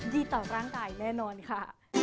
ดีต่อร่างกายแน่นอนค่ะ